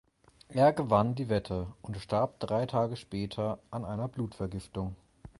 Er gewann die Wette und starb drei Tage später an einer Blutvergiftung.